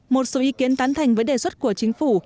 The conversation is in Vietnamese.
một số ý kiến tán thành với đề xuất của chính phủ